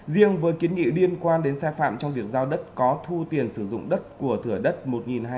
riêng với kiến nghị liên quan đến xe phạm trong việc giao đất có thu tiền sử dụng đất của thửa đất một hai trăm sáu mươi một m hai